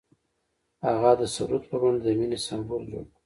هغه د سرود په بڼه د مینې سمبول جوړ کړ.